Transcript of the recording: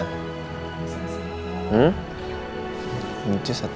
sekarang mau disobokin sama anjus apa sama oma